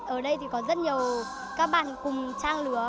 ở đây thì có rất nhiều các bạn cùng trang lứa